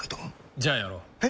じゃあやろう。え？